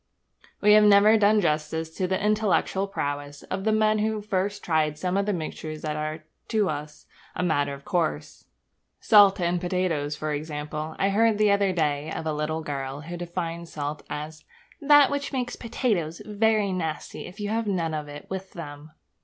We have never done justice to the intellectual prowess of the men who first tried some of the mixtures that are to us a matter of course. Salt and potatoes, for example. I heard the other day of a little girl who defined salt as 'that which makes potatoes very nasty if you have none of it with them.'